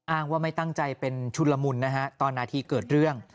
อ้างว่าไม่ตั้งใจเป็นชุนละมุนนะฮะตอนนาทีเกิดเรื่อง